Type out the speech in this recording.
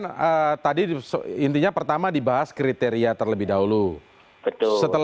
nomor satu habib rizik sihab